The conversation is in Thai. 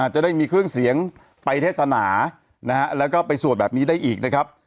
จะได้มีเครื่องเสียงไปเทศนานะฮะแล้วก็ไปสวดแบบนี้ได้อีกนะครับ